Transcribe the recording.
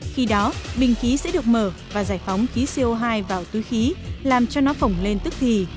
khi đó bình khí sẽ được mở và giải phóng khí co hai vào túi khí làm cho nó phồng lên tức thì